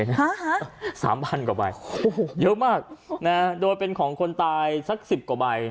๓๐๐๐กว่าใบเยอะมากโดยเป็นของคนตายสัก๑๐กว่าใบ